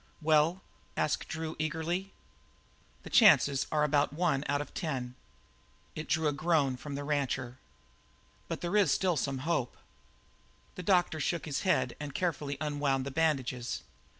"Well?" asked Drew eagerly. "The chances are about one out of ten." It drew a groan from the rancher. "But there is still some hope." The doctor shook his head and carefully unwound the bandages.